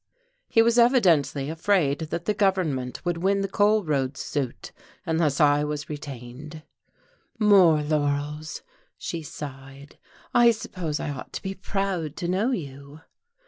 "He was evidently afraid that the government would win the coal roads suit unless I was retained." "More laurels!" she sighed. "I suppose I ought to be proud to know you."